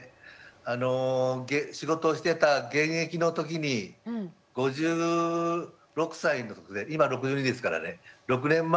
あの仕事をしてた現役の時に５６歳の時で今６２ですからね６年前認知症と診断されました。